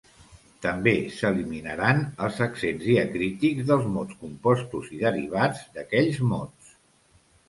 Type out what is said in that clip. També s'eliminaren els accents diacrítics dels mots compostos i derivats d'aquells mots.